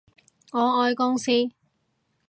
我愛公司